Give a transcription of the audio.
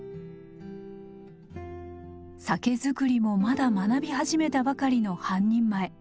酒造りもまだ学び始めたばかりの半人前。